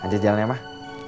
aja jalan ya mak